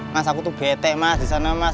mas aku tuh bete mas disana mas